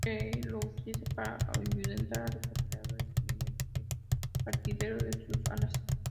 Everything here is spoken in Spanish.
Se lo utiliza para ahuyentar a los depredadores, mediante el parpadeo de sus alas.